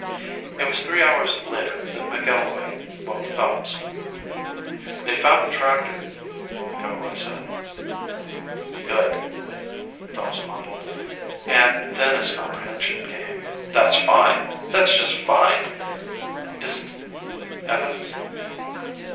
It was three hours later that McIlroy woke Phelps. "They've found the tractor," McIlroy said. "Good," Phelps mumbled, and then as comprehension came; "That's fine! That's just line! Is Evans